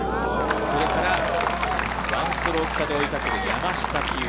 それから１ストローク差で追いかける山下美夢